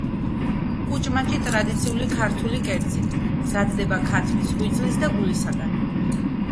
კუჭმაჭი ტრადიციული ქართული კერძი. მზადდება ქათმის ღვიძლის და გულისგან.